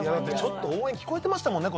ちょっと応援聞こえてましたもんね